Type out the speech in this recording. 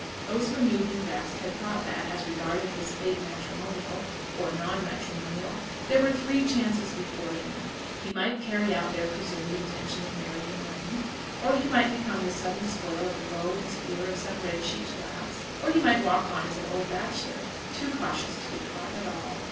Those who knew him best had thought that, as regarded his fate matrimonial, or non matrimonial, there were three chances before him: he might carry out their presumed intention of marrying money; or he might become the sudden spoil of the bow and spear of some red cheeked lass; or he might walk on as an old bachelor, too cautious to be caught at all.